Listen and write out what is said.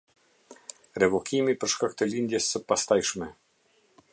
Revokimi për shkak të lindjes së pastajshme.